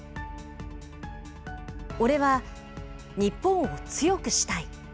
俺は日本を強くしたい。